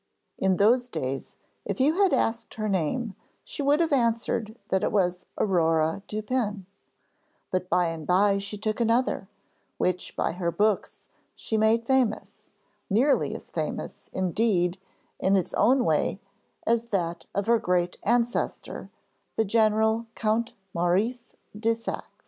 In those days if you had asked her name she would have answered that it was 'Aurore Dupin'; but by and bye she took another, which by her books she made famous nearly as famous, indeed, in its own way as that of her great ancestor, the general Count Maurice de Saxe.